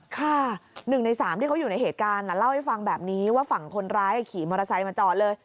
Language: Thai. ค่ะ๑ใน๓ที่เขาอยู่ในเหตุการณ์เล่าให้ฟังแบบนี้ว่าฝั่งคนร้ายขี่มอเตอร์ไซค์มาจอดเลย